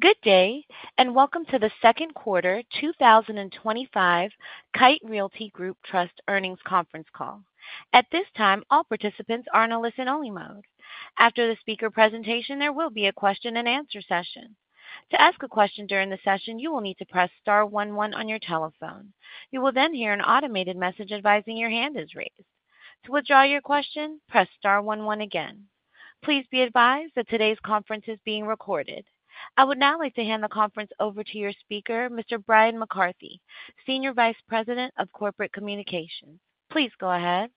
Good day, and welcome to the Second Quarter 2025 Kite Realty Group Trust Earnings Conference Call. At this time, all participants are in a listen-only mode. After the speaker presentation, there will be a question and answer session. To ask a question during the session, you will need to press star one one on your telephone. You will then hear an automated message advising your hand is raised. To withdraw your question, press star one one again. Please be advised that today's conference is being recorded. I would now like to hand the conference over to your speaker, Mr. Bryan McCarthy, Senior Vice President of Corporate Communications. Please go ahead.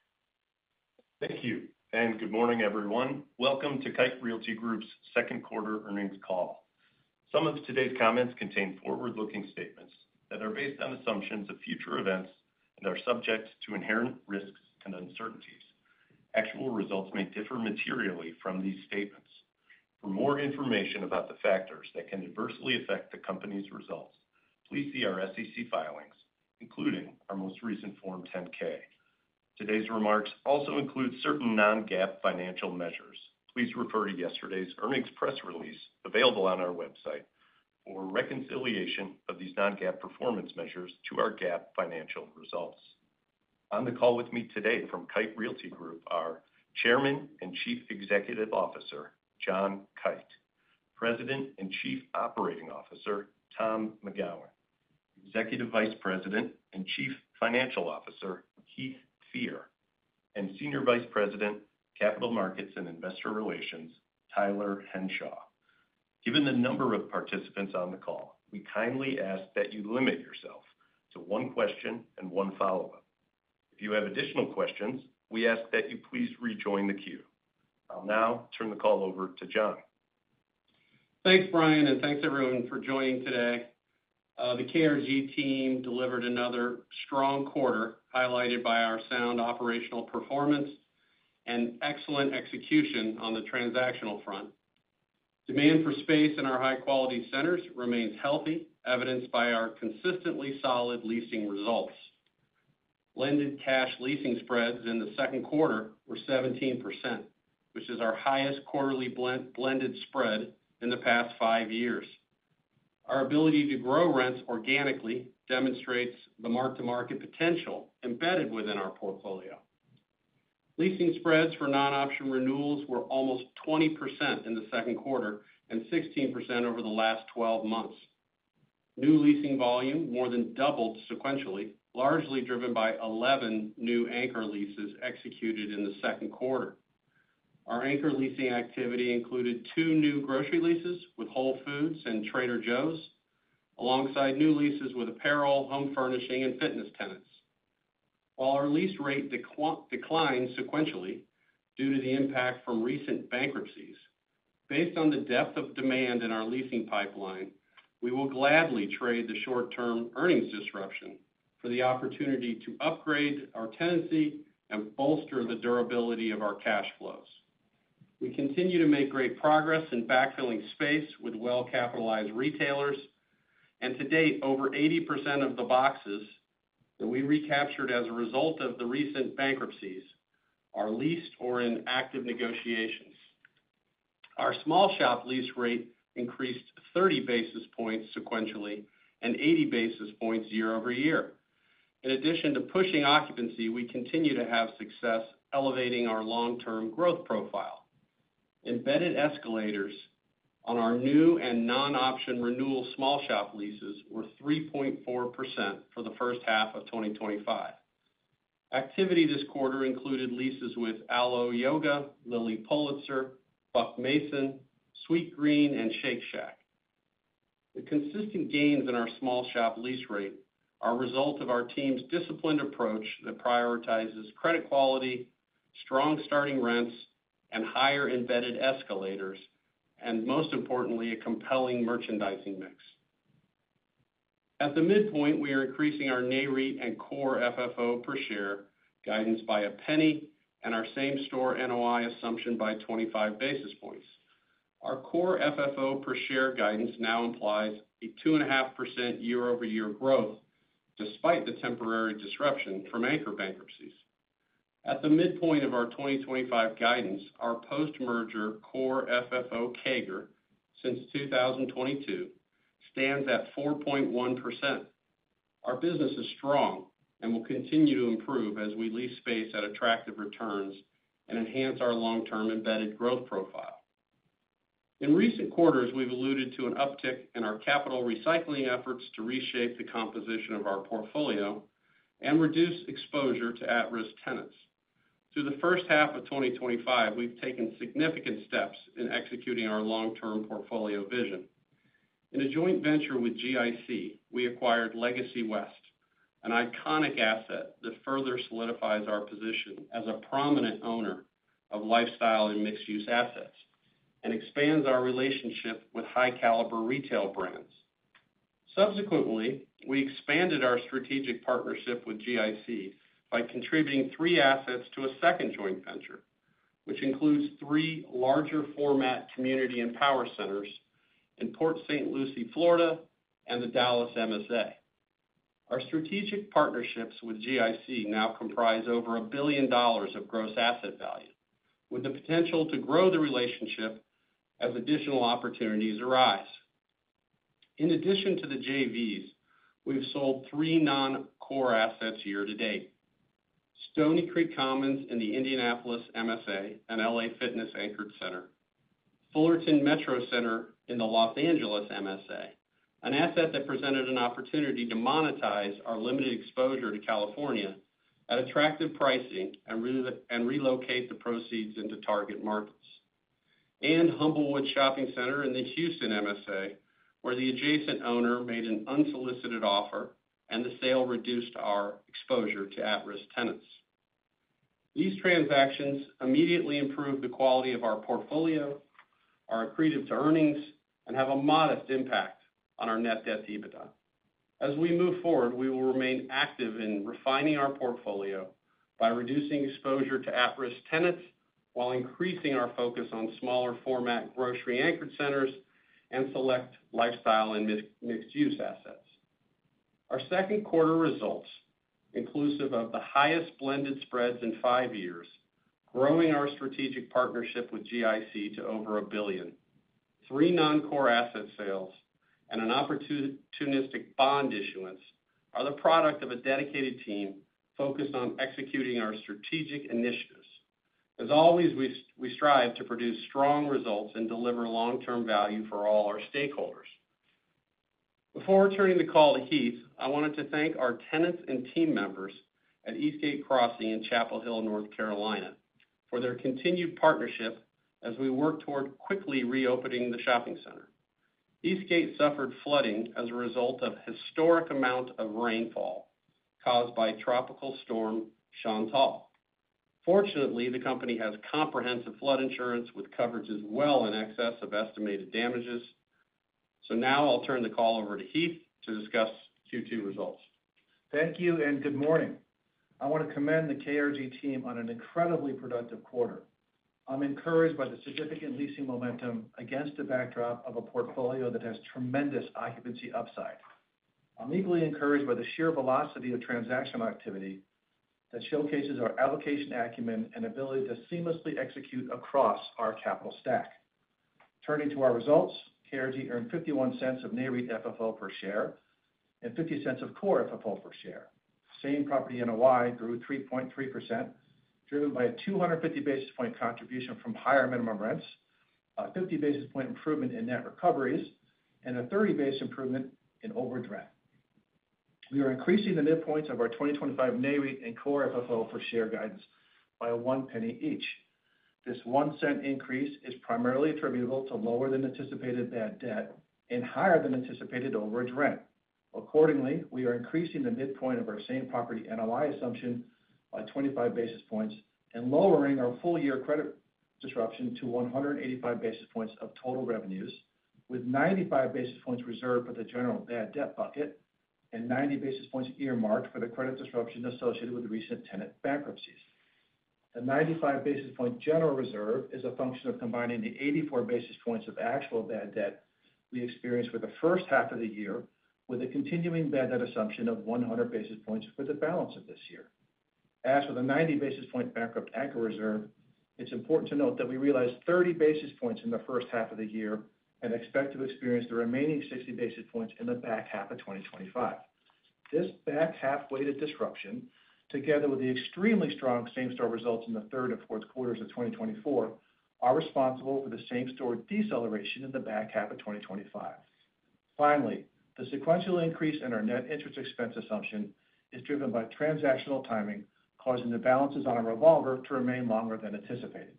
Thank you, and good morning, everyone. Welcome to Kite Realty Group Trust's Second Quarter Earnings Call. Some of today's comments contain forward-looking statements that are based on assumptions of future events and are subject to inherent risks and uncertainties. Actual results may differ materially from these statements. For more information about the factors that can adversely affect the company's results, please see our SEC filings, including our most recent Form 10-K. Today's remarks also include certain non-GAAP financial measures. Please refer to yesterday's earnings press release available on our website for reconciliation of these non-GAAP performance measures to our GAAP financial results. On the call with me today from Kite Realty Group Trust are Chairman and Chief Executive Officer, John Kite, President and Chief Operating Officer, Tom McGowan, Executive Vice President and Chief Financial Officer, Heath Fear, and Senior Vice President, Capital Markets and Investor Relations, Tyler Henshaw. Given the number of participants on the call, we kindly ask that you limit yourself to one question and one follow-up. If you have additional questions, we ask that you please rejoin the queue. I'll now turn the call over to John. Thanks, Bryan, and thanks, everyone, for joining today. The KRG team delivered another strong quarter highlighted by our sound operational performance and excellent execution on the transactional front. Demand for space in our high-quality centers remains healthy, evidenced by our consistently solid leasing results. Blended cash leasing spreads in the second quarter were 17%, which is our highest quarterly blended spread in the past five years. Our ability to grow rents organically demonstrates the mark-to-market potential embedded within our portfolio. Leasing spreads for non-option renewals were almost 20% in the second quarter and 16% over the last 12 months. New leasing volume more than doubled sequentially, largely driven by 11 new anchor leases executed in the second quarter. Our anchor leasing activity included two new grocery leases with Whole Foods and Trader Joe’s, alongside new leases with apparel, home furnishing, and fitness tenants. While our lease rate declined sequentially due to the impact from recent bankruptcies, based on the depth of demand in our leasing pipeline, we will gladly trade the short-term earnings disruption for the opportunity to upgrade our tenancy and bolster the durability of our cash flows. We continue to make great progress in backfilling space with well-capitalized retailers, and to date, over 80% of the boxes that we recaptured as a result of the recent bankruptcies are leased or in active negotiations. Our small shop lease rate increased 30 basis points sequentially and 80 basis points year-over-year. In addition to pushing occupancy, we continue to have success elevating our long-term growth profile. Embedded escalators on our new and non-option renewal small shop leases were 3.4% for the first half of 2025. Activity this quarter included leases with Alo Yoga, Lilly Pulitzer, Buck Mason, Sweetgreen, and Shake Shack. The consistent gains in our small shop lease rate are a result of our team’s disciplined approach that prioritizes credit quality, strong starting rents, and higher embedded escalators, and most importantly, a compelling merchandising mix. At the midpoint, we are increasing our Nareit and core FFO per share guidance by a penny and our same-store NOI assumption by 25 basis points. Our core FFO per share guidance now implies a 2.5% year-over-year growth despite the temporary disruption from anchor bankruptcies. At the midpoint of our 2025 guidance, our post-merger core FFO CAGR since 2022 stands at 4.1%. Our business is strong and will continue to improve as we lease space at attractive returns and enhance our long-term embedded growth profile. In recent quarters, we've alluded to an uptick in our capital recycling efforts to reshape the composition of our portfolio and reduce exposure to at-risk tenants. Through the first half of 2025, we've taken significant steps in executing our long-term portfolio vision. In a joint venture with GIC, we acquired Legacy West, an iconic asset that further solidifies our position as a prominent owner of lifestyle and mixed-use assets and expands our relationship with high-caliber retail brands. Subsequently, we expanded our strategic partnership with GIC by contributing three assets to a second joint venture, which includes three larger format community and power centers in Port St. Lucie, Florida, and the Dallas MSA. Our strategic partnerships with GIC now comprise over $1 billion of gross asset value, with the potential to grow the relationship as additional opportunities arise. In addition to the JVs, we've sold three non-core assets year to date: Stony Creek Commons in the Indianapolis MSA and LA Fitness Anchored Center, Fullerton Metro Center in the Los Angeles MSA, an asset that presented an opportunity to monetize our limited exposure to California at attractive pricing and relocate the proceeds into target markets, and Humblewood Shopping Center in the Houston MSA, where the adjacent owner made an unsolicited offer and the sale reduced our exposure to at-risk tenants. These transactions immediately improved the quality of our portfolio, are accretive to earnings, and have a modest impact on our net debt to EBITDA. As we move forward, we will remain active in refining our portfolio by reducing exposure to at-risk tenants while increasing our focus on smaller format grocery anchored centers and select lifestyle and mixed-use assets. Our second quarter results, inclusive of the highest blended spreads in five years, grow our strategic partnership with GIC to over $1 billion. Three non-core asset sales and an opportunistic bond issuance are the product of a dedicated team focused on executing our strategic initiatives. As always, we strive to produce strong results and deliver long-term value for all our stakeholders. Before returning the call to Heath, I wanted to thank our tenants and team members at Eastgate Crossing in Chapel Hill, North Carolina, for their continued partnership as we work toward quickly reopening the shopping center. Eastgate suffered flooding as a result of a historic amount of rainfall caused by Tropical Storm Chantal. Fortunately, the company has comprehensive flood insurance with coverages well in excess of estimated damages. Now I'll turn the call over to Heath to discuss Q2 results. Thank you and good morning. I want to commend the KRG team on an incredibly productive quarter. I'm encouraged by the significant leasing momentum against the backdrop of a portfolio that has tremendous occupancy upside. I'm equally encouraged by the sheer velocity of transactional activity that showcases our allocation acumen and ability to seamlessly execute across our capital stack. Turning to our results, KRG earned $0.51 of Nareit FFO per share and $0.50 of core FFO per share. Same property NOI grew 3.3%, driven by a 250 basis point contribution from higher minimum rents, a 50 basis point improvement in net recoveries, and a 30 basis point improvement in overage rent. We are increasing the midpoints of our 2025 Nareit and core FFO per share guidance by $0.01 each. This $0.01 increase is primarily attributable to lower than anticipated net debt and higher than anticipated overage rent. Accordingly, we are increasing the midpoint of our same property NOI assumption by 25 basis points and lowering our full year credit disruption to 185 basis points of total revenues, with 95 basis points reserved for the general bad debt bucket and 90 basis points earmarked for the credit disruption associated with recent tenant bankruptcies. The 95 basis point general reserve is a function of combining the 84 basis points of actual bad debt we experienced in the first half of the year with a continuing bad debt assumption of 100 basis points for the balance of this year. As for the 90 basis point bankrupt anchor reserve, it's important to note that we realized 30 basis points in the first half of the year and expect to experience the remaining 60 basis points in the back half of 2025. This back half weighted disruption, together with the extremely strong same-store results in the third and fourth quarters of 2024, are responsible for the same-store deceleration in the back half of 2025. Finally, the sequential increase in our net interest expense assumption is driven by transactional timing, causing the balances on a revolver to remain longer than anticipated.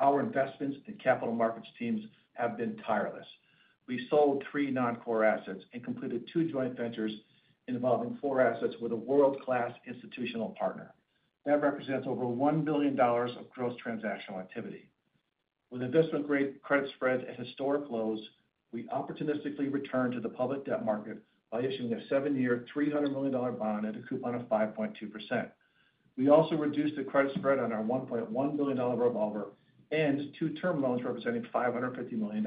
Our investments in capital markets teams have been tireless. We sold three non-core assets and completed two joint ventures involving four assets with a world-class institutional partner. That represents over $1 billion of gross transactional activity. With investment-grade credit spreads at historic lows, we opportunistically returned to the public debt market by issuing a seven-year $300 million bond at a coupon of 5.2%. We also reduced the credit spread on our $1.1 billion revolver and two term loans representing $550 million.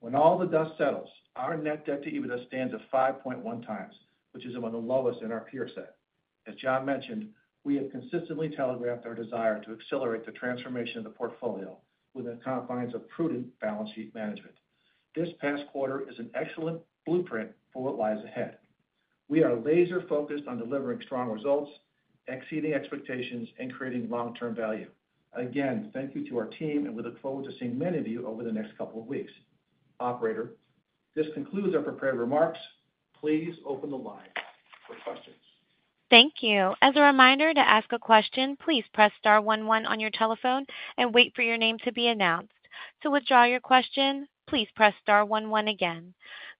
When all the dust settles, our net debt to EBITDA stands at 5.1 times, which is among the lowest in our peer set. As John mentioned, we have consistently telegraphed our desire to accelerate the transformation of the portfolio within the confines of prudent balance sheet management. This past quarter is an excellent blueprint for what lies ahead. We are laser-focused on delivering strong results, exceeding expectations, and creating long-term value. Again, thank you to our team, and we look forward to seeing many of you over the next couple of weeks. Operator, this concludes our prepared remarks. Please open the line for questions. Thank you. As a reminder, to ask a question, please press star one one on your telephone and wait for your name to be announced. To withdraw your question, please press star one one again.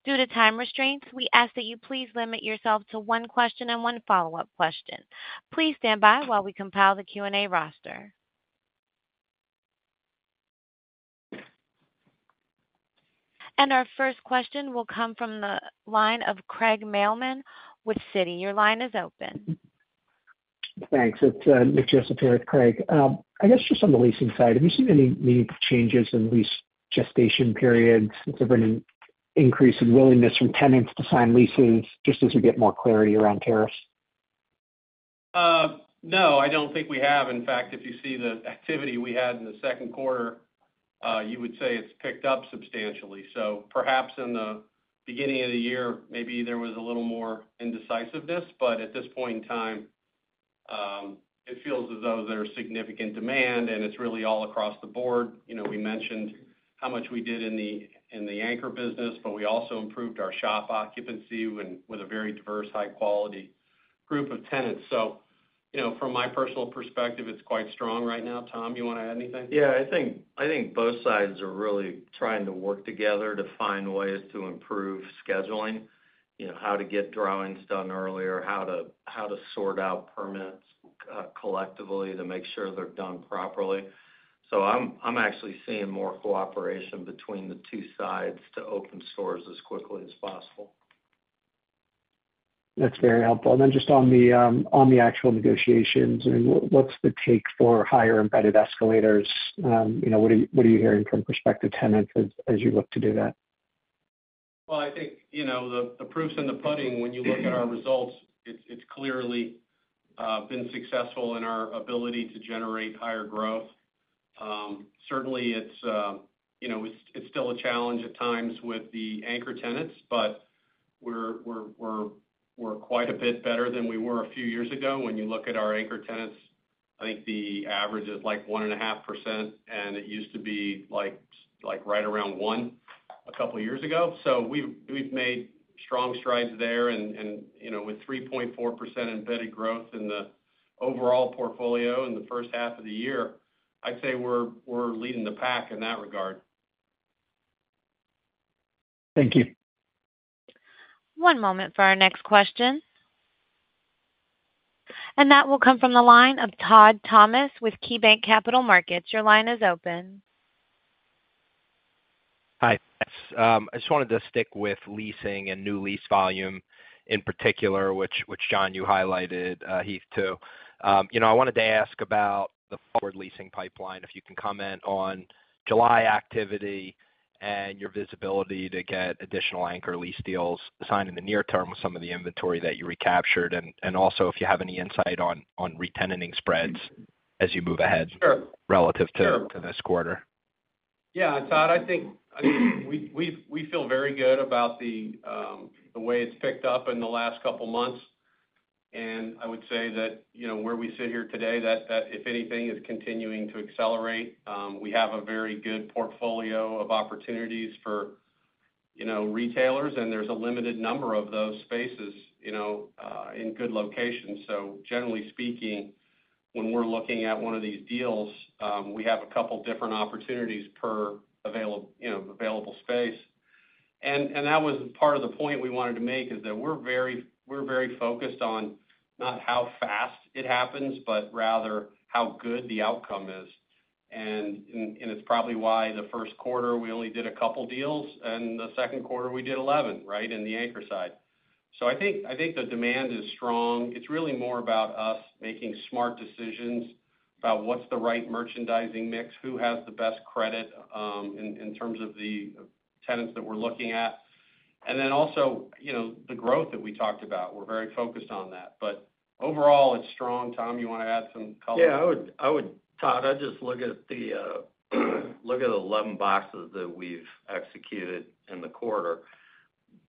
Due to time restraints, we ask that you please limit yourself to one question and one follow-up question. Please stand by while we compile the Q&A roster. Our first question will come from the line of Craig Mailman with Citi. Your line is open. Thanks. It's Nick Joseph here with Craig. I guess just on the leasing side, have you seen any meaningful changes in lease gestation periods? Has there been an increase in willingness from tenants to sign leases just as we get more clarity around tariffs? No, I don't think we have. In fact, if you see the activity we had in the second quarter, you would say it's picked up substantially. Perhaps in the beginning of the year, maybe there was a little more indecisiveness, but at this point in time, it feels as though there's significant demand and it's really all across the board. We mentioned how much we did in the anchor business, but we also improved our shop occupancy with a very diverse, high-quality group of tenants. From my personal perspective, it's quite strong right now. Tom, you want to add anything? Yeah, I think both sides are really trying to work together to find ways to improve scheduling, you know, how to get drawings done earlier, how to sort out permits collectively to make sure they're done properly. I'm actually seeing more cooperation between the two sides to open stores as quickly as possible. That's very helpful. Just on the actual negotiations, what's the take for higher embedded escalators? What are you hearing from prospective tenants as you look to do that? I think the proof's in the pudding. When you look at our results, it's clearly been successful in our ability to generate higher growth. Certainly, it's still a challenge at times with the anchor tenants, but we're quite a bit better than we were a few years ago. When you look at our anchor tenants, I think the average is like 1.5%, and it used to be right around 1% a couple of years ago. We've made strong strides there, and you know, with 3.4% embedded growth in the overall portfolio in the first half of the year, I'd say we're leading the pack in that regard. Thank you. One moment for our next question. That will come from the line of Todd Thomas with KeyBanc Capital Markets. Your line is open. Hi. Yes. I just wanted to stick with leasing and new lease volume in particular, which John, you highlighted, Heath, too. I wanted to ask about the forward leasing pipeline, if you can comment on July activity and your visibility to get additional anchor lease deals signed in the near term with some of the inventory that you recaptured. Also, if you have any insight on re-tenanting spreads as you move ahead. Sure. Relative to this quarter. Yeah, Todd, I think we feel very good about the way it's picked up in the last couple of months. I would say that, you know, where we sit here today, if anything, is continuing to accelerate. We have a very good portfolio of opportunities for, you know, retailers, and there's a limited number of those spaces, you know, in good locations. Generally speaking, when we're looking at one of these deals, we have a couple of different opportunities per available, you know, available space. That was part of the point we wanted to make, that we're very focused on not how fast it happens, but rather how good the outcome is. It's probably why the first quarter we only did a couple of deals, and the second quarter we did 11, right, in the anchor side. I think the demand is strong. It's really more about us making smart decisions about what's the right merchandising mix, who has the best credit in terms of the tenants that we're looking at. Also, you know, the growth that we talked about, we're very focused on that. Overall, it's strong. Tom, you want to add some color? I would, Todd, I'd just look at the 11 boxes that we've executed in the quarter.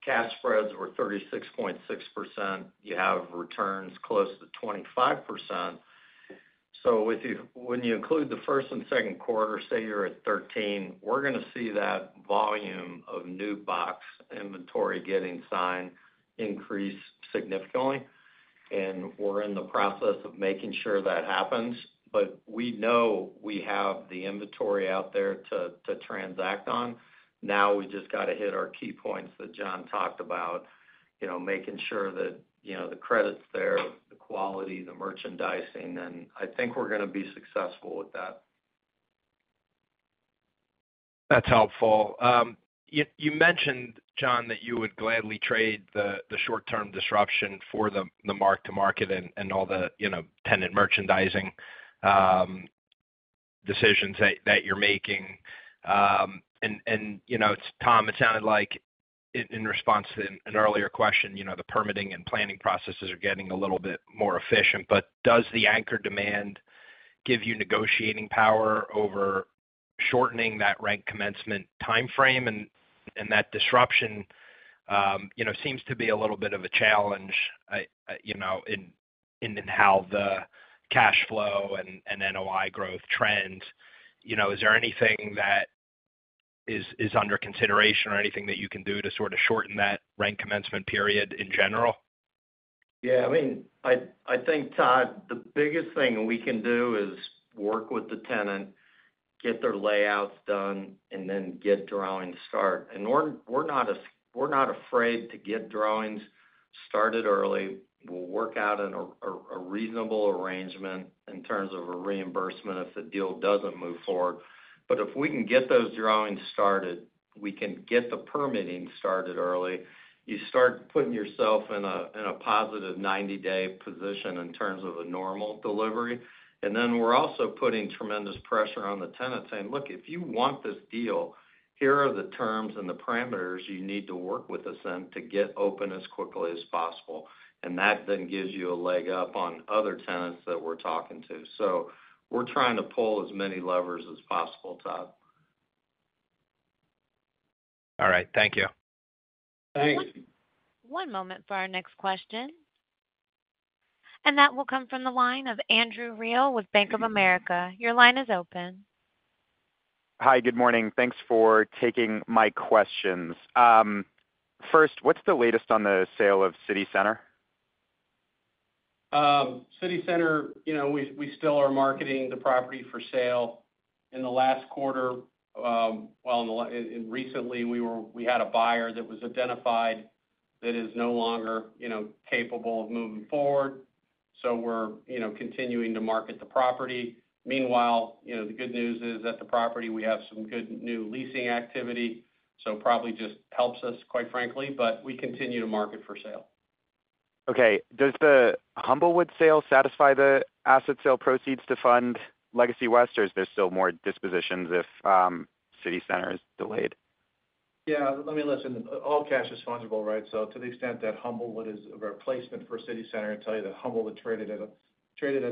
Cash spreads were 36.6%. You have returns close to 25%. When you include the first and second quarter, say you're at 13%, we're going to see that volume of new box inventory getting signed increase significantly. We are in the process of making sure that happens. We know we have the inventory out there to transact on. Now we just have to hit our key points that John talked about, making sure that the credit's there, the quality, the merchandising, and I think we're going to be successful with that. That's helpful. You mentioned, John, that you would gladly trade the short-term disruption for the mark-to-market and all the tenant merchandising decisions that you're making. Tom, it sounded like in response to an earlier question, the permitting and planning processes are getting a little bit more efficient. Does the anchor demand give you negotiating power over shortening that rent commencement timeframe? That disruption seems to be a little bit of a challenge in how the cash flow and NOI growth trends. Is there anything that is under consideration or anything that you can do to sort of shorten that rent commencement period in general? Yeah, I mean, I think, Todd, the biggest thing we can do is work with the tenant, get their layouts done, and then get drawings started. We're not afraid to get drawings started early. We'll work out a reasonable arrangement in terms of a reimbursement if the deal doesn't move forward. If we can get those drawings started, we can get the permitting started early. You start putting yourself in a positive 90-day position in terms of a normal delivery. We're also putting tremendous pressure on the tenant, saying, "Look, if you want this deal, here are the terms and the parameters you need to work with us in to get open as quickly as possible." That then gives you a leg up on other tenants that we're talking to. We're trying to pull as many levers as possible, Todd. All right. Thank you. Thanks. One moment for our next question. That will come from the line of Andrew Reale with Bank of America. Your line is open. Hi, good morning. Thanks for taking my questions. First, what's the latest on the sale of City Center? City Center, you know, we still are marketing the property for sale. In the last quarter, recently, we had a buyer that was identified that is no longer, you know, capable of moving forward. We are, you know, continuing to market the property. Meanwhile, you know, the good news is at the property, we have some good new leasing activity. It probably just helps us, quite frankly, but we continue to market for sale. Okay. Does the Humblewood sale satisfy the asset sale proceeds to fund Legacy West, or is there still more dispositions if City Center is delayed? Yeah, let me listen. All cash is fungible, right? To the extent that Humblewood is a replacement for City Center, I tell you that Humblewood traded at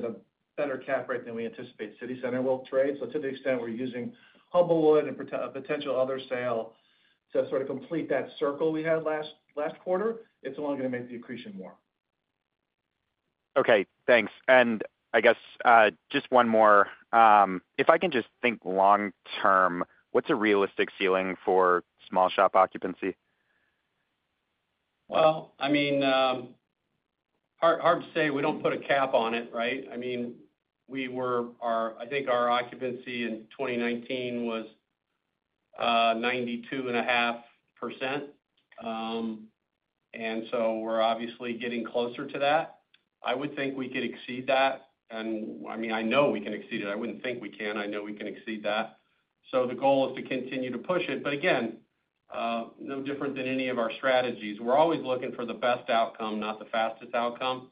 a better cap rate than we anticipate City Center will trade. To the extent we're using Humblewood and a potential other sale to sort of complete that circle we had last quarter, it's only going to make the accretion more. Okay. Thanks. I guess just one more, if I can just think long-term, what's a realistic ceiling for small shop occupancy? I mean, hard to say. We don't put a cap on it, right? I mean, I think our occupancy in 2019 was 92.5%. We're obviously getting closer to that. I would think we could exceed that. I mean, I know we can exceed it. I wouldn't think we can. I know we can exceed that. The goal is to continue to push it. No different than any of our strategies, we're always looking for the best outcome, not the fastest outcome.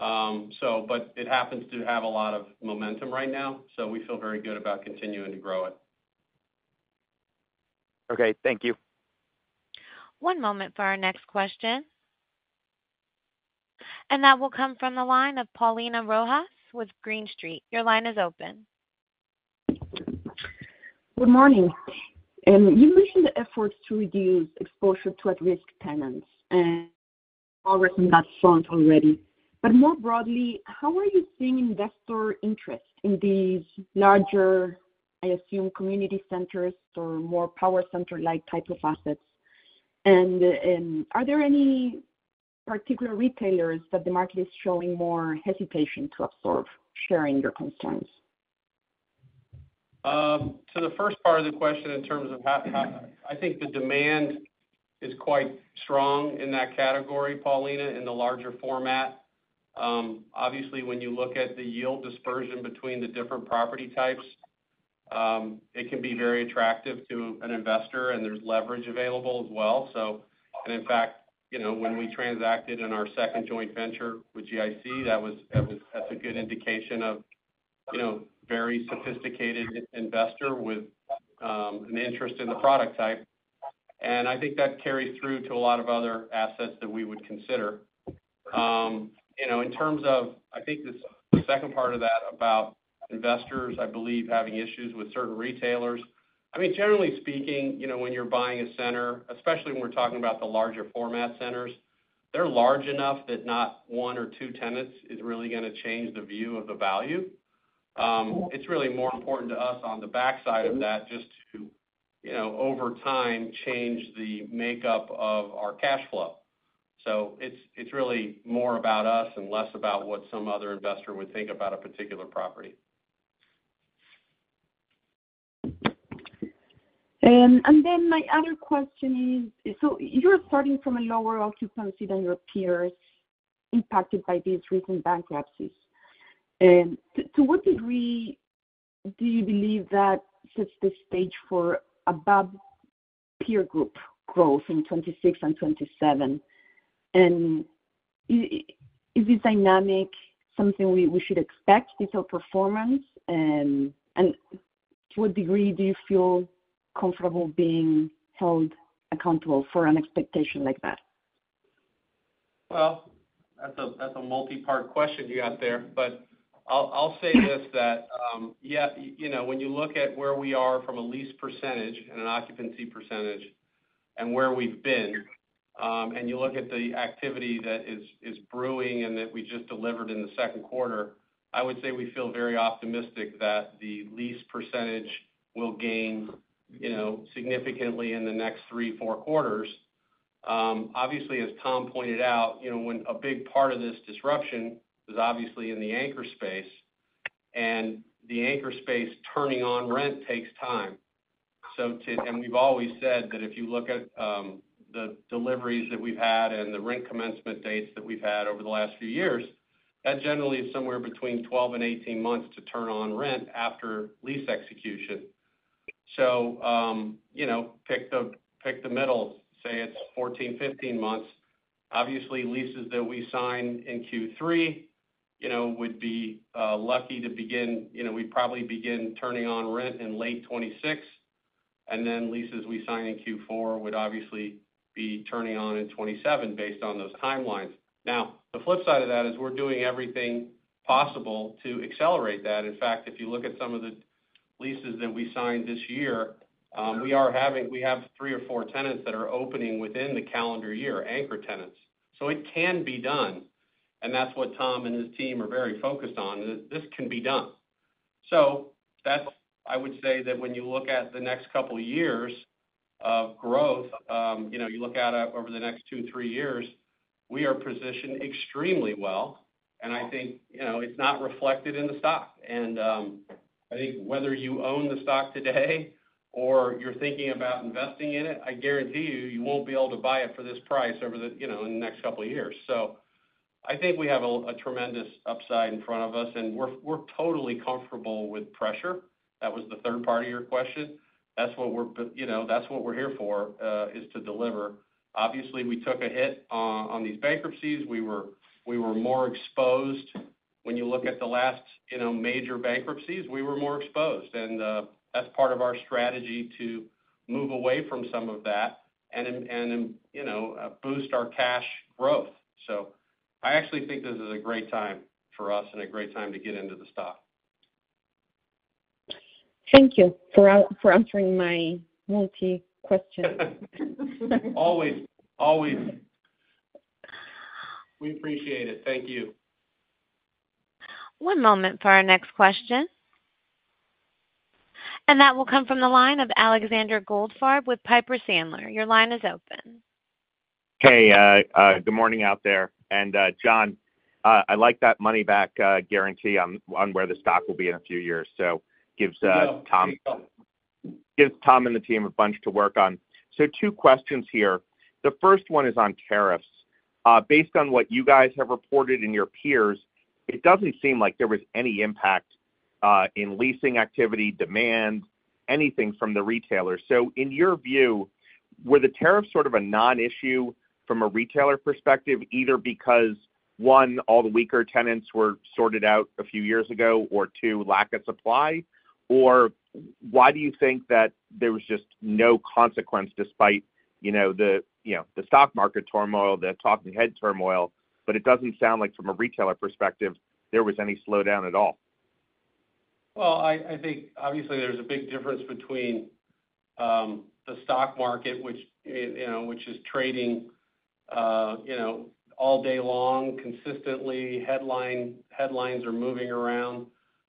It happens to have a lot of momentum right now. We feel very good about continuing to grow it. Okay, thank you. One moment for our next question. That will come from the line of Paulina Rojas with Green Street. Your line is open. Good morning. You mentioned the efforts to reduce exposure to at-risk tenants and progress on that front already. More broadly, how are you seeing investor interest in these larger, I assume, community centers or more power center-like type of assets? Are there any particular retailers that the market is showing more hesitation to absorb, sharing your concerns? To the first part of the question in terms of how I think the demand is quite strong in that category, Paulina, in the larger format. Obviously, when you look at the yield dispersion between the different property types, it can be very attractive to an investor, and there's leverage available as well. In fact, when we transacted in our second joint venture with GIC, that's a good indication of a very sophisticated investor with an interest in the product type. I think that carries through to a lot of other assets that we would consider. In terms of the second part of that about investors, I believe, having issues with certain retailers. Generally speaking, when you're buying a center, especially when we're talking about the larger format centers, they're large enough that not one or two tenants is really going to change the view of the value. It's really more important to us on the backside of that just to, over time, change the makeup of our cash flow. It's really more about us and less about what some other investor would think about a particular property. You are starting from a lower occupancy than your peers impacted by these recent bankruptcies. To what degree do you believe that sets the stage for above peer group growth in 2026 and 2027? Is this dynamic something we should expect, this outperformance? To what degree do you feel comfortable being held accountable for an expectation like that? That's a multi-part question you got there. I'll say this, that, yeah, you know, when you look at where we are from a lease percentage and an occupancy percentage and where we've been, and you look at the activity that is brewing and that we just delivered in the second quarter, I would say we feel very optimistic that the lease percentage will gain significantly in the next three, four quarters. Obviously, as Tom pointed out, a big part of this disruption is in the anchor space, and the anchor space turning on rent takes time. We've always said that if you look at the deliveries that we've had and the rent commencement dates that we've had over the last few years, that generally is somewhere between 12 and 18 months to turn on rent after lease execution. Pick the middle, say it's 14, 15 months. Obviously, leases that we sign in Q3 would be lucky to begin, we'd probably begin turning on rent in late 2026. Leases we sign in Q4 would obviously be turning on in 2027 based on those timelines. The flip side of that is we're doing everything possible to accelerate that. In fact, if you look at some of the leases that we signed this year, we have three or four tenants that are opening within the calendar year, anchor tenants. It can be done. That's what Tom and his team are very focused on, that this can be done. I would say that when you look at the next couple of years of growth, you look at it over the next two, three years, we are positioned extremely well. I think it's not reflected in the stock. I think whether you own the stock today or you're thinking about investing in it, I guarantee you, you won't be able to buy it for this price in the next couple of years. I think we have a tremendous upside in front of us, and we're totally comfortable with pressure. That was the third part of your question. That's what we're here for, is to deliver. Obviously, we took a hit on these bankruptcies. We were more exposed. When you look at the last major bankruptcies, we were more exposed. That's part of our strategy to move away from some of that and boost our cash growth. I actually think this is a great time for us and a great time to get into the stock. Thank you for answering my multi-question. Always, always. We appreciate it. Thank you. One moment for our next question. That will come from the line of Alexander Goldfarb with Piper Sandler. Your line is open. Hey, good morning out there. John, I like that money-back guarantee on where the stock will be in a few years. It gives Tom and the team a bunch to work on. Two questions here. The first one is on tariffs. Based on what you guys have reported and your peers, it doesn't seem like there was any impact in leasing activity, demand, anything from the retailers. In your view, were the tariffs sort of a non-issue from a retailer perspective, either because, one, all the weaker tenants were sorted out a few years ago, or two, lack of supply? Why do you think that there was just no consequence despite, you know, the stock market turmoil, the talking head turmoil? It doesn't sound like from a retailer perspective, there was any slowdown at all. I think obviously there's a big difference between the stock market, which is trading all day long, consistently. Headlines are moving around.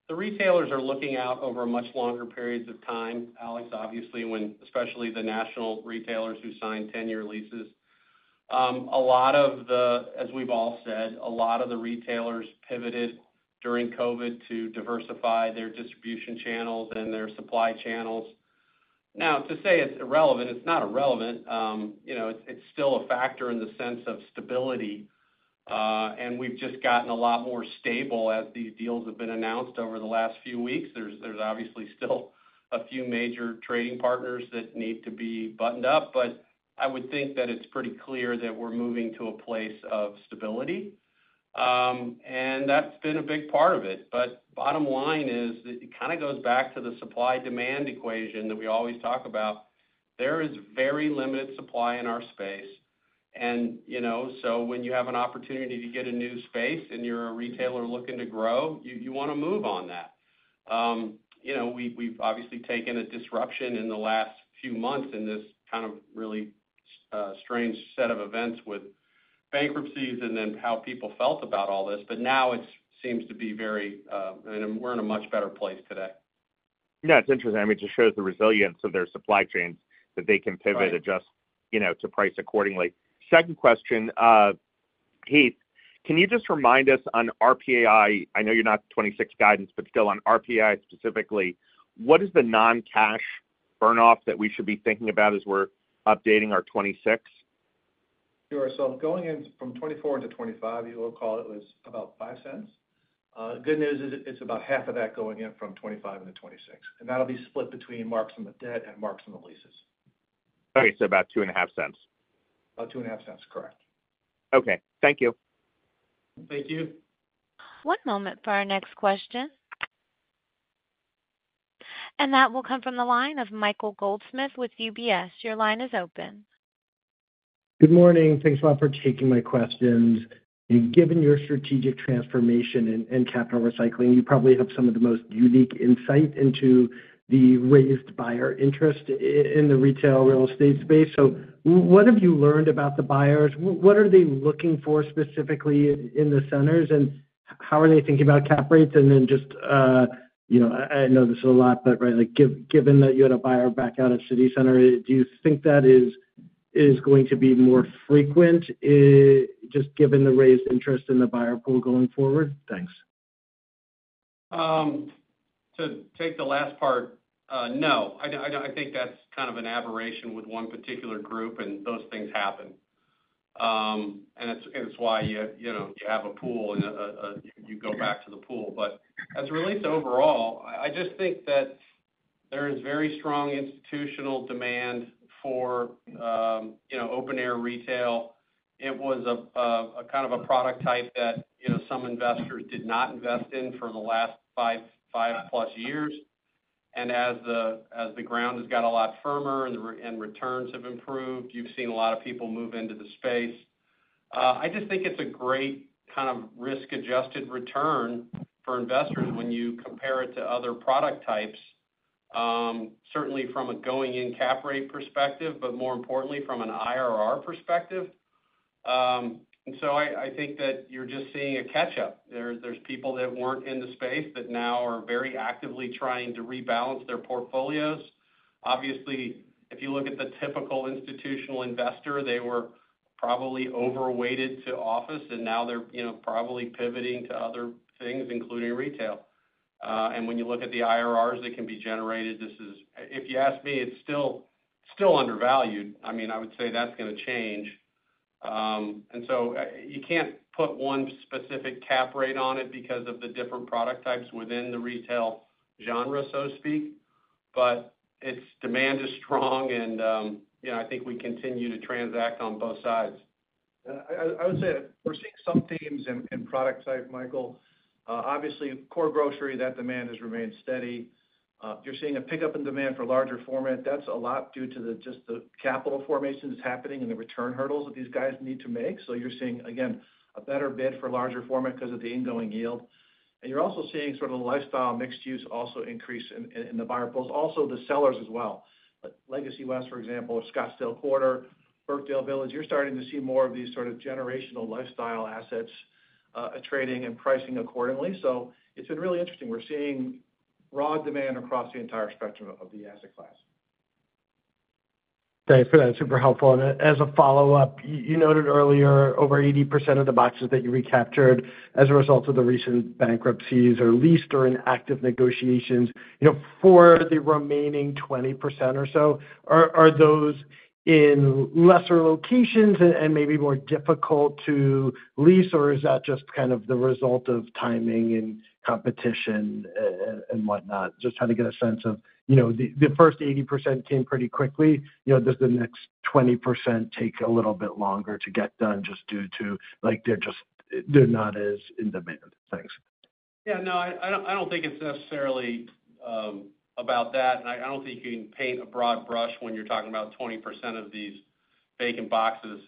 The retailers are looking out over much longer periods of time. Alex, obviously, especially the national retailers who signed 10-year leases. A lot of the, as we've all said, a lot of the retailers pivoted during COVID to diversify their distribution channels and their supply channels. To say it's irrelevant, it's not irrelevant. It's still a factor in the sense of stability. We've just gotten a lot more stable as these deals have been announced over the last few weeks. There are obviously still a few major trading partners that need to be buttoned up. I would think that it's pretty clear that we're moving to a place of stability. That's been a big part of it. The bottom line is that it kind of goes back to the supply-demand equation that we always talk about. There is very limited supply in our space. When you have an opportunity to get a new space and you're a retailer looking to grow, you want to move on that. We've obviously taken a disruption in the last few months in this kind of really strange set of events with bankruptcies and then how people felt about all this. Now it seems to be very, and we're in a much better place today. Yeah, it's interesting. I mean, it just shows the resilience of their supply chains that they can pivot and adjust to price accordingly. Second question, Heath, can you just remind us on RPAI? I know you're not 2026 guidance, but still on RPAI specifically, what is the non-cash burnoff that we should be thinking about as we're updating our 2026? Sure. Going in from 2024 into 2025, you will recall it was about $0.05. Good news is it's about half of that going in from 2025 into 2026. That'll be split between marks on the debt and marks on the leases. Okay. About $0.025. About $0.025, correct. Okay, thank you. Thank you. One moment for our next question. That will come from the line of Michael Goldsmith with UBS. Your line is open. Good morning. Thanks a lot for taking my questions. Given your strategic transformation and capital recycling, you probably have some of the most unique insight into the raised buyer interest in the retail real estate space. What have you learned about the buyers? What are they looking for specifically in the centers? How are they thinking about cap rates? I know this is a lot, but given that you had a buyer back out of City Center, do you think that is going to be more frequent just given the raised interest in the buyer pool going forward? Thanks. To take the last part, no, I think that's kind of an aberration with one particular group, and those things happen. It's why you have a pool and you go back to the pool. As a release overall, I just think that there is very strong institutional demand for, you know, open-air retail. It was a kind of a product type that, you know, some investors did not invest in for the last five-plus years. As the ground has got a lot firmer and returns have improved, you've seen a lot of people move into the space. I just think it's a great kind of risk-adjusted return for investors when you compare it to other product types, certainly from a going-in cap rate perspective, but more importantly from an IRR perspective. I think that you're just seeing a catch-up. There's people that weren't in the space that now are very actively trying to rebalance their portfolios. Obviously, if you look at the typical institutional investor, they were probably overweighted to office, and now they're, you know, probably pivoting to other things, including retail. When you look at the IRRs that can be generated, this is, if you ask me, it's still still undervalued. I mean, I would say that's going to change. You can't put one specific cap rate on it because of the different product types within the retail genre, so to speak. Its demand is strong, and you know, I think we continue to transact on both sides. I would say we're seeing some themes in product type, Michael. Obviously, core grocery, that demand has remained steady. You're seeing a pickup in demand for larger format. That's a lot due to just the capital formation that's happening and the return hurdles that these guys need to make. You're seeing, again, a better bid for larger format because of the ingoing yield. You're also seeing sort of the lifestyle mixed-use also increase in the buyer pools, also the sellers as well. Legacy West, for example, or Scottsdale Quarter, Birkdale Village, you're starting to see more of these sort of generational lifestyle assets trading and pricing accordingly. It's been really interesting. We're seeing raw demand across the entire spectrum of the asset class. Thanks for that. Super helpful. As a follow-up, you noted earlier, over 80% of the boxes that you recaptured as a result of the recent bankruptcies are leased or in active negotiations. For the remaining 20% or so, are those in lesser locations and maybe more difficult to lease, or is that just kind of the result of timing and competition and whatnot? Just trying to get a sense of, you know, the first 80% came pretty quickly. Does the next 20% take a little bit longer to get done just due to like they're just, they're not as in demand? Thanks. No, I don't think it's necessarily about that. I don't think you can paint a broad brush when you're talking about 20% of these vacant boxes.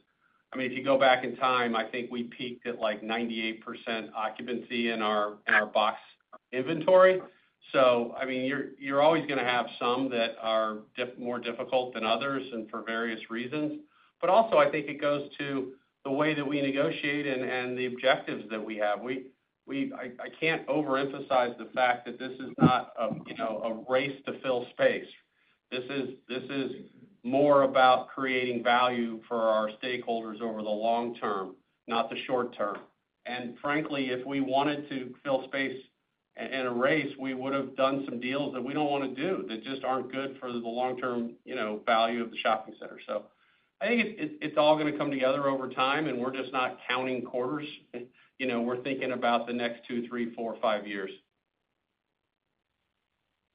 If you go back in time, I think we peaked at like 98% occupancy in our box inventory. You're always going to have some that are more difficult than others for various reasons. I think it goes to the way that we negotiate and the objectives that we have. I can't overemphasize the fact that this is not a race to fill space. This is more about creating value for our stakeholders over the long term, not the short term. Frankly, if we wanted to fill space in a race, we would have done some deals that we don't want to do that just aren't good for the long-term value of the shopping center. I think it's all going to come together over time, and we're just not counting quarters. We're thinking about the next two, three, four, five years.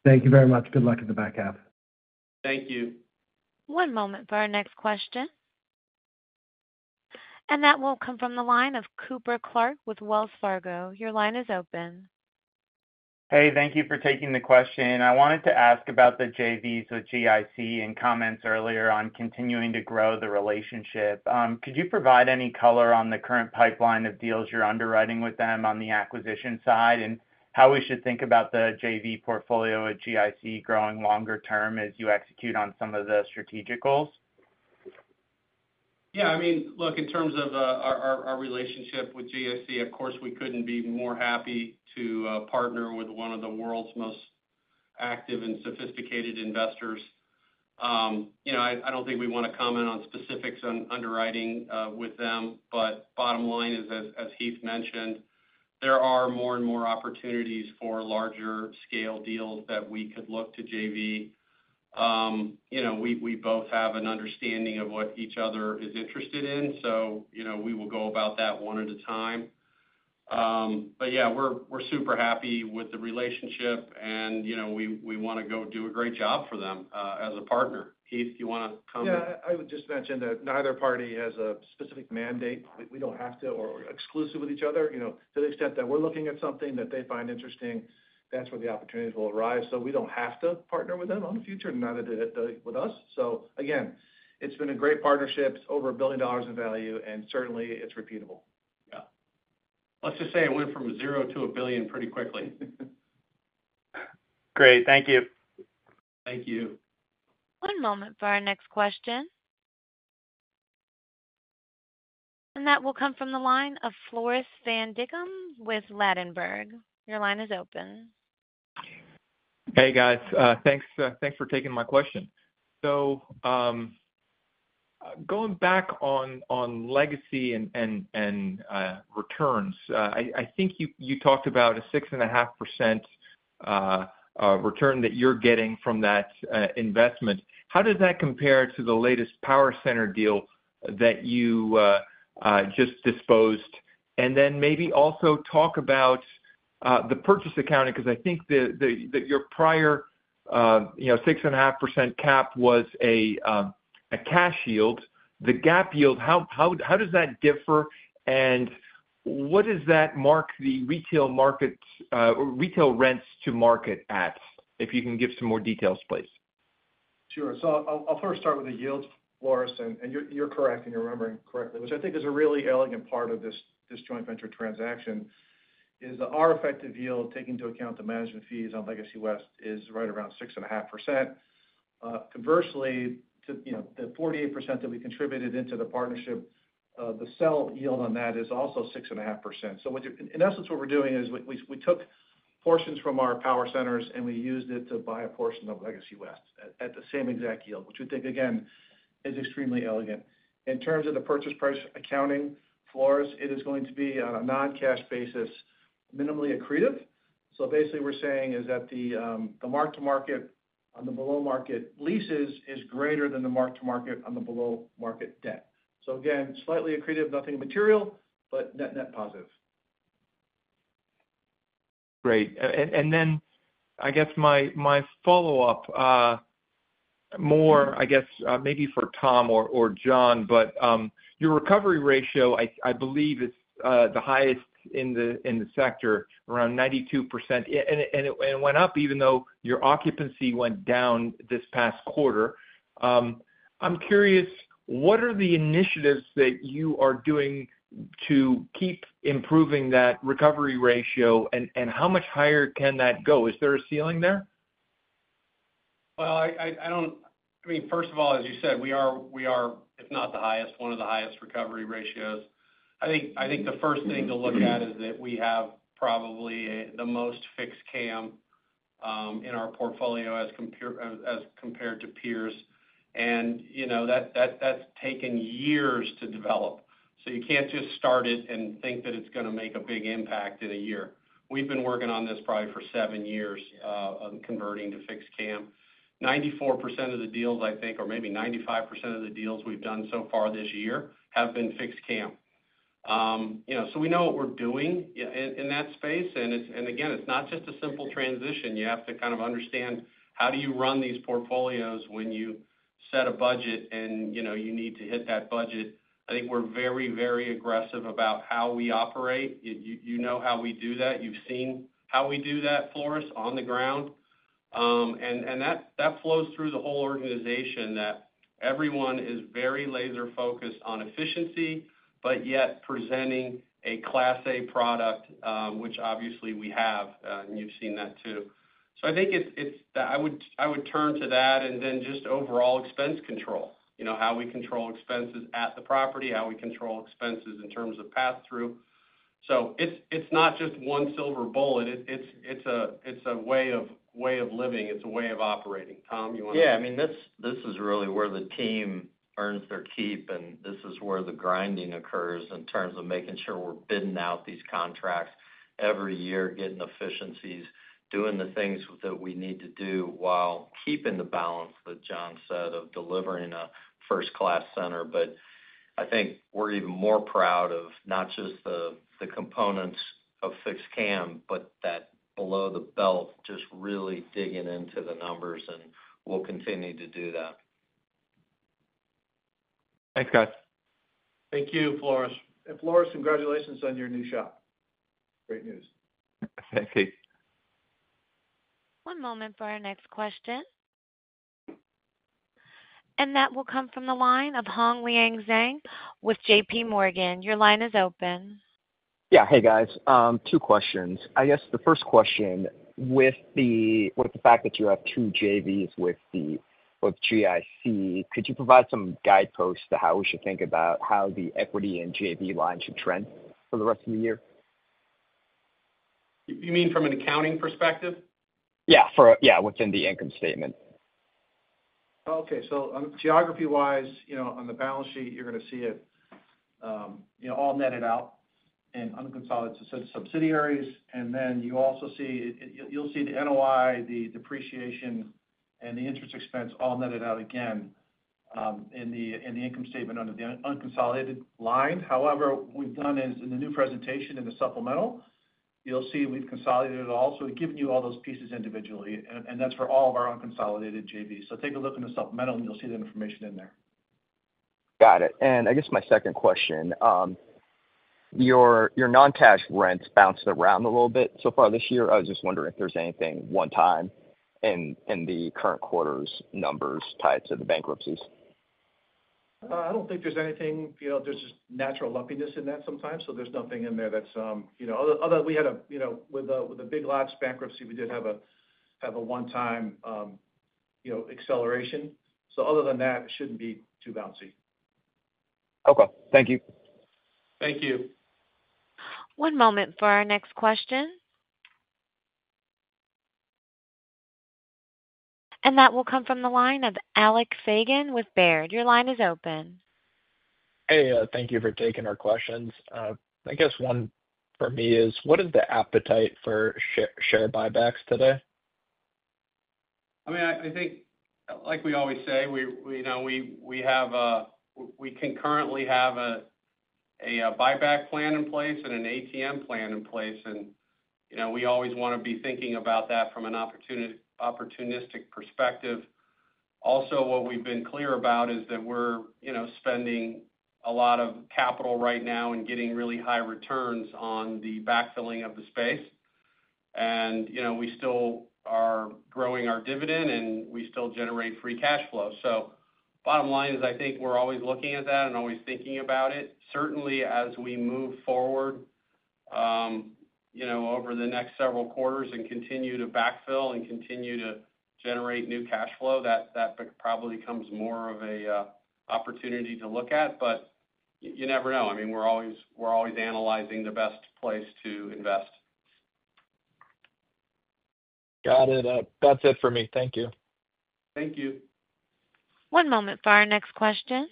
Thank you very much. Good luck in the back half. Thank you. One moment for our next question. That will come from the line of Cooper Clark with Wells Fargo. Your line is open. Thank you for taking the question. I wanted to ask about the JVs with GIC and comments earlier on continuing to grow the relationship. Could you provide any color on the current pipeline of deals you're underwriting with them on the acquisition side and how we should think about the JV portfolio at GIC growing longer term as you execute on some of the strategic goals? Yeah, I mean, look, in terms of our relationship with GIC, of course, we couldn't be more happy to partner with one of the world's most active and sophisticated investors. I don't think we want to comment on specifics on underwriting with them, but bottom line is, as Heath mentioned, there are more and more opportunities for larger-scale deals that we could look to JV. We both have an understanding of what each other is interested in. We will go about that one at a time. Yeah, we're super happy with the relationship, and we want to go do a great job for them as a partner. Heath, do you want to comment? Yeah, I would just mention that neither party has a specific mandate. We don't have to or are exclusive with each other. To the extent that we're looking at something that they find interesting, that's where the opportunities will arise. We don't have to partner with them in the future, neither do they with us. It's been a great partnership, over $1 billion in value, and certainly, it's repeatable. Yeah, let's just say it went from zero to $1 billion pretty quickly. Great. Thank you. Thank you. One moment for our next question. That will come from the line of Floris van Dijkum with Ladenburg. Your line is open. Hey, guys. Thanks for taking my question. Going back on Legacy and returns, I think you talked about a 6.5% return that you're getting from that investment. How does that compare to the latest power center deal that you just disposed? Maybe also talk about the purchase accounting because I think that your prior 6.5% cap was a cash yield. The GAAP yield, how does that differ? What does that mark the retail markets or retail rents to market at, if you can give some more details, please? Sure. I'll first start with the yields, Floris, and you're correct and you're remembering correctly, which I think is a really elegant part of this joint venture transaction, is that our effective yield, taking into account the management fees on Legacy West, is right around 6.5%. Conversely, the 48% that we contributed into the partnership, the sell yield on that is also 6.5%. In essence, what we're doing is we took portions from our power centers and we used it to buy a portion of Legacy West at the same exact yield, which we think, again, is extremely elegant. In terms of the purchase price accounting, Floris, it is going to be on a non-cash basis, minimally accretive. Basically, what we're saying is that the mark-to-market on the below-market leases is greater than the mark-to-market on the below-market debt. Again, slightly accretive, nothing material, but net-net positive. Great. I guess my follow-up, maybe for Tom or John, your recovery ratio, I believe, is the highest in the sector, around 92%. It went up even though your occupancy went down this past quarter. I'm curious, what are the initiatives that you are doing to keep improving that recovery ratio and how much higher can that go? Is there a ceiling there? I mean, first of all, as you said, we are, if not the highest, one of the highest recovery ratios. I think the first thing to look at is that we have probably the most fixed CAM in our portfolio as compared to peers. You know, that's taken years to develop. You can't just start it and think that it's going to make a big impact in a year. We've been working on this probably for seven years on converting to fixed CAM. 94% of the deals, I think, or maybe 95% of the deals we've done so far this year have been fixed CAM. You know, so we know what we're doing in that space. Again, it's not just a simple transition. You have to kind of understand how do you run these portfolios when you set a budget and you know, you need to hit that budget. I think we're very, very aggressive about how we operate. You know how we do that. You've seen how we do that, Floris, on the ground. That flows through the whole organization that everyone is very laser-focused on efficiency, but yet presenting a Class A product, which obviously we have, and you've seen that too. I think it's that I would turn to that and then just overall expense control, you know, how we control expenses at the property, how we control expenses in terms of pass-through. It's not just one silver bullet. It's a way of living. It's a way of operating. Tom, you want to? Yeah, I mean, this is really where the team earns their keep, and this is where the grinding occurs in terms of making sure we're bidding out these contracts every year, getting efficiencies, doing the things that we need to do while keeping the balance that John said of delivering a first-class center. I think we're even more proud of not just the components of fixed CAM, but that below the belt, just really digging into the numbers, and we'll continue to do that. Thanks, guys. Thank you, Floris. Floris, congratulations on your new job. Great news. Thank you. One moment for our next question. That will come from the line of Hongliang Zhang with JPMorgan. Your line is open. Yeah. Hey, guys. Two questions. I guess the first question, with the fact that you have two JVs with GIC, could you provide some guideposts to how we should think about how the equity and JV lines should trend for the rest of the year? You mean from an accounting perspective? Yeah, within the income statement. Oh, okay. Geography-wise, on the balance sheet, you're going to see it all netted out in unconsolidated subsidiaries. You'll also see the NOI, the depreciation, and the interest expense all netted out again in the income statement under the unconsolidated line. However, what we've done is in the new presentation in the supplemental, you'll see we've consolidated it all. We've given you all those pieces individually. That's for all of our unconsolidated JVs. Take a look in the supplemental, and you'll see that information in there. Got it. I guess my second question, your non-cash rents bounced around a little bit so far this year. I was just wondering if there's anything one time in the current quarter's numbers tied to the bankruptcies. I don't think there's anything. You know, there's just natural lumpiness in that sometimes. There's nothing in there that's, you know, other than we had, you know, with the Big Lots bankruptcy, we did have a one-time, you know, acceleration. Other than that, it shouldn't be too bouncy. Okay, thank you. Thank you. One moment for our next question. That will come from the line of Alec Feygin with Baird. Your line is open. Thank you for taking our questions. I guess one for me is, what is the appetite for share buybacks today? I mean, I think, like we always say, we know we have a buyback plan in place and an ATM plan in place. You know, we always want to be thinking about that from an opportunistic perspective. Also, what we've been clear about is that we're spending a lot of capital right now and getting really high returns on the backfilling of the space. You know, we still are growing our dividend, and we still generate free cash flow. The bottom line is, I think we're always looking at that and always thinking about it. Certainly, as we move forward over the next several quarters and continue to backfill and continue to generate new cash flow, that probably becomes more of an opportunity to look at. You never know. I mean, we're always analyzing the best place to invest. Got it. That's it for me. Thank you. Thank you. One moment for our next question.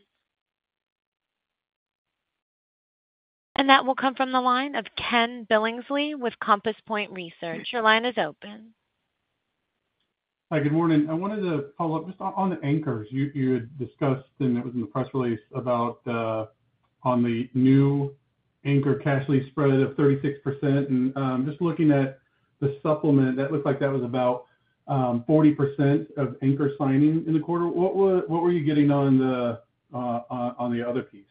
That will come from the line of Ken Billingsley with Compass Point Research. Your line is open. Hi, good morning. I wanted to follow up just on the anchors. You had discussed, and it was in the press release, about the new anchor cash lease spread of 36%. Just looking at the supplement, that looked like that was about 40% of anchor signing in the quarter. What were you getting on the other piece?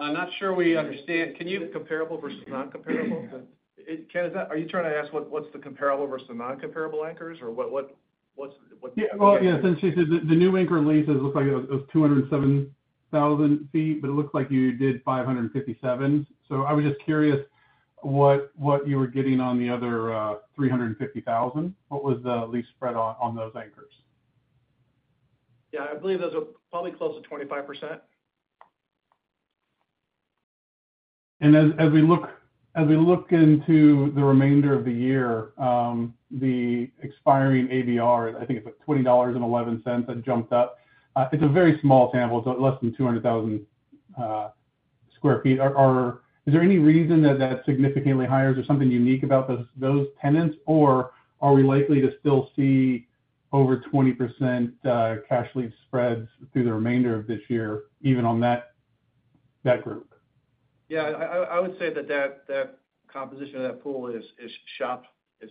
I'm not sure we understand. Can you Comparable versus non-comparable? Ken, are you trying to ask what's the comparable versus non-comparable anchors, or what's the? Since you said the new anchor leases look like it was 207,000 feet, but it looks like you did 557,000. I was just curious what you were getting on the other 350,000. What was the lease spread on those anchors? Yeah, I believe those are probably close to 25%. As we look into the remainder of the year, the expiring AVR, I think it's like $20.11, that jumped up. It's a very small sample. It's less than 200,000 square feet. Is there any reason that that's significantly higher? Is there something unique about those tenants, or are we likely to still see over 20% cash lease spreads through the remainder of this year, even on that group? I would say that composition of that pool is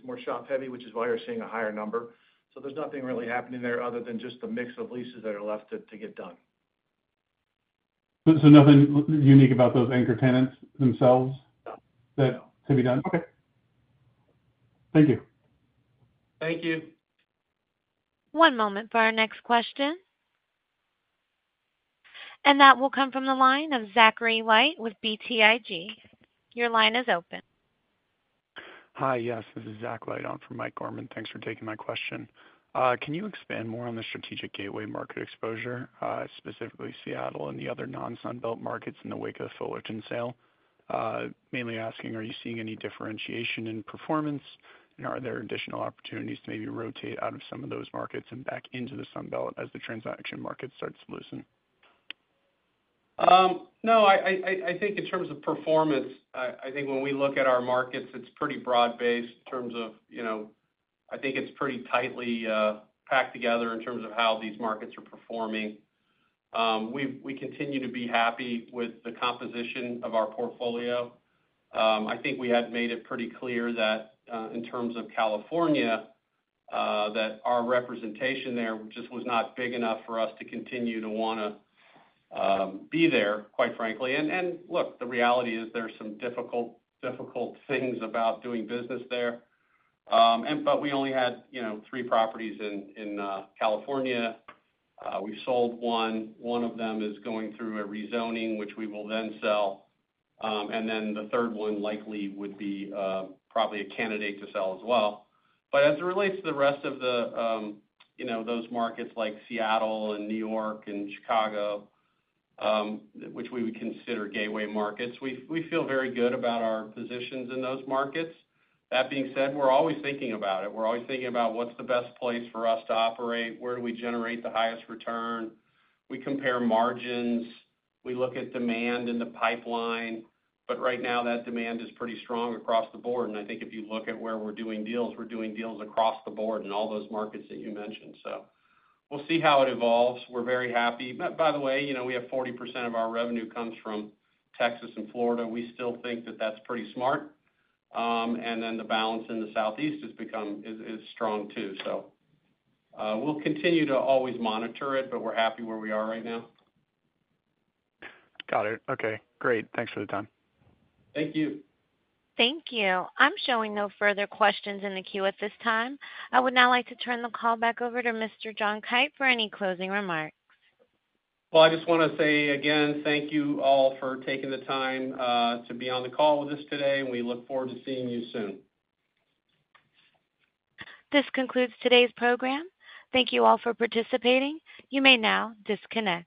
more shop-heavy, which is why we're seeing a higher number. There's nothing really happening there other than just the mix of leases that are left to get done. Nothing unique about those anchor tenants themselves that to be done? No. Okay, thank you. Thank you. One moment for our next question. That will come from the line of Zachary Light with BTIG. Your line is open. Hi. Yes, this is Zach Light on for Mike Gorman. Thanks for taking my question. Can you expand more on the strategic gateway market exposure, specifically Seattle and the other non-Sunbelt markets in the wake of the Fullerton sale? Mainly asking, are you seeing any differentiation in performance, and are there additional opportunities to maybe rotate out of some of those markets and back into the Sunbelt as the transaction market starts to loosen? No, I think in terms of performance, when we look at our markets, it's pretty broad-based in terms of, you know, it's pretty tightly packed together in terms of how these markets are performing. We continue to be happy with the composition of our portfolio. I think we had made it pretty clear that in terms of California, our representation there just was not big enough for us to continue to want to be there, quite frankly. The reality is there are some difficult, difficult things about doing business there. We only had, you know, three properties in California. We've sold one. One of them is going through a rezoning, which we will then sell. The third one likely would be probably a candidate to sell as well. As it relates to the rest of the, you know, those markets like Seattle and New York and Chicago, which we would consider gateway markets, we feel very good about our positions in those markets. That being said, we're always thinking about it. We're always thinking about what's the best place for us to operate, where do we generate the highest return. We compare margins. We look at demand in the pipeline. Right now, that demand is pretty strong across the board. I think if you look at where we're doing deals, we're doing deals across the board in all those markets that you mentioned. We'll see how it evolves. We're very happy. By the way, you know, we have 40% of our revenue comes from Texas and Florida. We still think that that's pretty smart. The balance in the Southeast has become as strong too. We'll continue to always monitor it, but we're happy where we are right now. Got it. Okay, great. Thanks for the time. Thank you. Thank you. I'm showing no further questions in the queue at this time. I would now like to turn the call back over to Mr. John Kite for any closing remarks. I just want to say again, thank you all for taking the time to be on the call with us today, and we look forward to seeing you soon. This concludes today's program. Thank you all for participating. You may now disconnect.